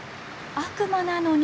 悪魔なのに？